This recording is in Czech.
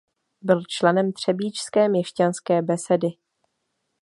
Byl členem třebíčské Měšťanské besedy.